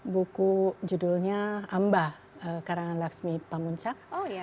buku judulnya amba karangan laksmi pamuncak